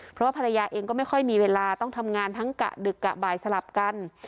เพราะว่าภรรยาเองก็ไม่ค่อยมีเวลาต้องทำงานทั้งกะดึกกะบ่ายสลับกัน